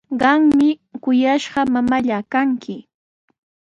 Qami kuyashqa mamallaa kanki.